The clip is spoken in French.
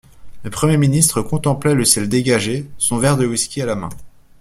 Le premier ministre contemplait le ciel dégagé, son verre de whisky à la main.